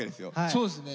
そうですね！